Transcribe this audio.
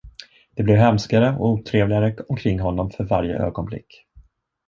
Det blev hemskare och otrevligare omkring honom för varje ögonblick.